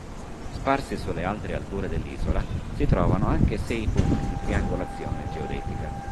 Sparsi sulle altre alture dell'isola si trovano anche sei punti di triangolazione geodetica.